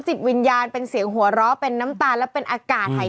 จิตวิญญาณเป็นเสียงหัวเราะเป็นน้ำตาลและเป็นอากาศหาย